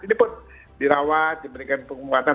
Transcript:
ini pun dirawat diberikan penguatan